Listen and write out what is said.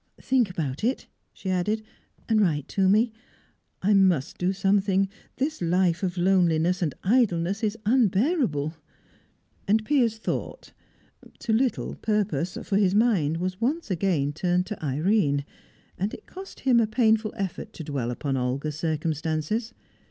"Think about it," she added, "and write to me. I must do something. This life of loneliness and idleness is unbearable." And Piers thought; to little purpose, for his mind was once more turned to Irene, and it cost him a painful effort to dwell upon Olga's circumstances.